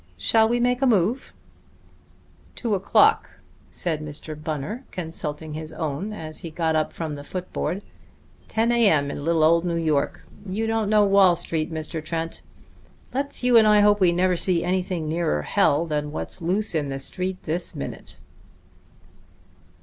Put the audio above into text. Shall we make a move?" "Two o'clock," said Mr. Bunner, consulting his own as he got up from the foot board. "Ten A. M. in little old New York. You don't know Wall Street, Mr. Trent. Let's you and I hope we never see anything nearer hell than what's loose in the Street this minute."